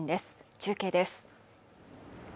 中継です